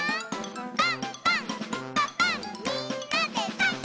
「パンパンんパパンみんなでパン！」